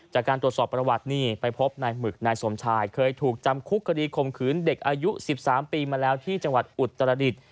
จากการตรวจสอบประวัตินี่ไปพบนายหมึกนายสมชายเคยถูกจำคุกคดีข่มขืนเด็กอายุ๑๓ปีมาแล้วที่จังหวัดอุตรดิษฐ์